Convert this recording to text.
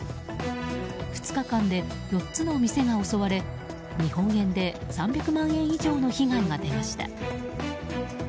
２日間で４つの店が襲われ日本円で３００万円以上の被害が出ました。